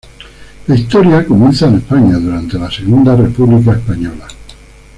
La historia comienza en España, durante la Segunda República Española.